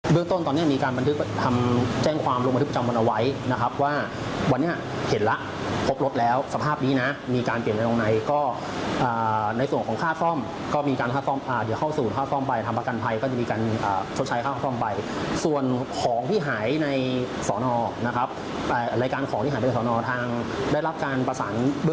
เบื้องต้นตอนเนี้ยมีการบันทึกทำแจ้งความลงบันทึกประจำวันเอาไว้นะครับว่าวันเนี้ยเห็นละพบรถแล้วสภาพนี้น่ะมีการเปลี่ยนไปตรงไหนก็อ่าในส่วนของค่าซ่อมก็มีการค่าซ่อมอ่าเดี๋ยวเข้าสูตรค่าซ่อมไปทำประกันภัยก็จะมีการอ่าชดใช้ค่าซ่อมไปส่วนของที่หายในสอนอ่อนะครับ